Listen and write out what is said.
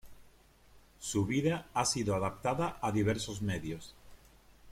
Su vida ha sido adaptada a diversos medios.